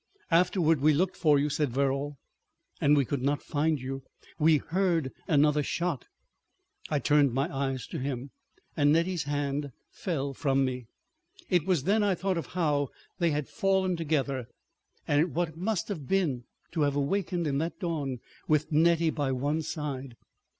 "Afterward we looked for you," said Verrall; "and we could not find you. ... We heard another shot." I turned my eyes to him, and Nettie's hand fell from me. It was then I thought of how they had fallen together, and what it must have been to have awakened in that dawn with Nettie by one's side.